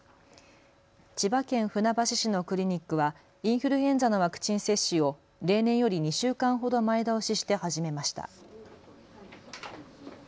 千葉県船橋市のクリニックはインフルエンザのワクチン接種を例年より２週間ほど前倒しして始めました。